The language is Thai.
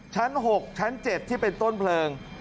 ชั้น๖ชั้น๗ที่เป็นต้นเพลิง